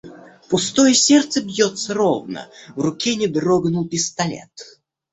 Пустое сердце бьётся ровно. В руке не дрогнул пистолет.